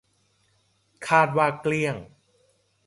คาดว่า เกลี้ยง